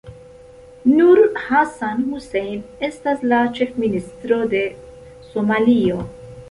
Nur Hassan Hussein estas la Ĉefministro de Somalio.